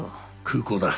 空港だ。